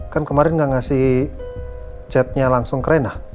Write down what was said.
kan kemarin gak ngasih chatnya langsung ke reina